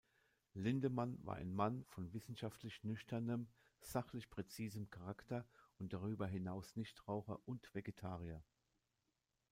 Lindemann war ein Mann von wissenschaftlich-nüchternem, sachlich-präzisem Charakter und darüber hinaus Nichtraucher und Vegetarier.